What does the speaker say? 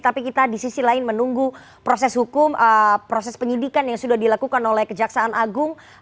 tapi kita di sisi lain menunggu proses hukum proses penyidikan yang sudah dilakukan oleh kejaksaan agung